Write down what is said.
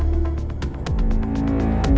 aku mau ke rumah